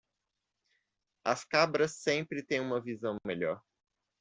As cabras sempre têm uma visão melhor.